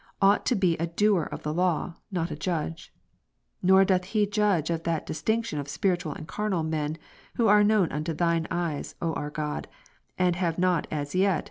4, ought to be a doer of the law, not a judge. Neither doth he judge of that distinction of spiritual and carnal men, who are known unto Thine eyes, O our God, and have not as yet Mat.